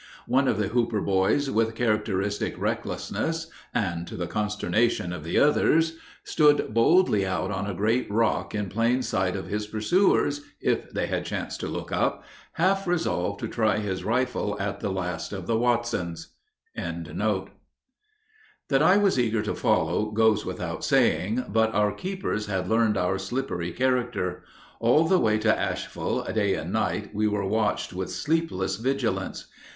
One of the Hooper boys, with characteristic recklessness and to the consternation of the others, stood boldly out on a great rock in plain sight of his pursuers (if they had chanced to look up), half resolved to try his rifle at the last of the Watsons.] That I was eager to follow goes without saying, but our keepers had learned our slippery character. All the way to Asheville, day and night, we were watched with sleepless vigilance.